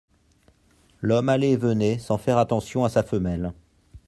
L'homme allait et venait sans faire attention à sa femelle.